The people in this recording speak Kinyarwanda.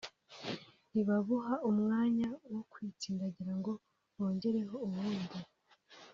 ntibabuha umwanya wo kwitsindagira ngo bongereho ubundi